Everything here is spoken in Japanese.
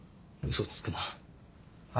嘘つくな！